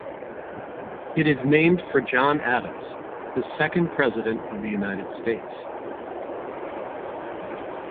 It is named for John Adams, the second President of the United States.